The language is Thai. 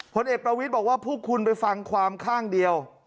ผลเอกประวิทย์บอกว่าพวกคุณไปฟังความข้างเดียว